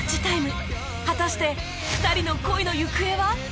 果たして２人の恋の行方は？